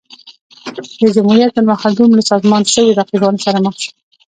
د جمهوریت پرمهال روم له سازمان شویو رقیبانو سره مخ شو